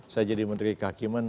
saya jadi menteri kehakiman